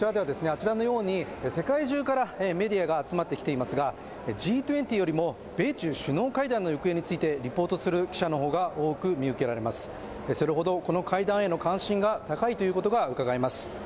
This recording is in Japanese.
あちらのように世界中からメディアが集まってきていますがＧ２０よりも米中首脳会談の行方についてリポートする記者の方が多く見受けられますがそれほどこの会談への関心が高いということがうかがえます